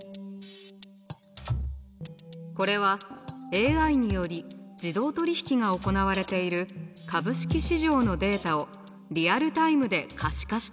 これはＡＩにより自動取引が行われている株式市場のデータをリアルタイムで可視化したもの。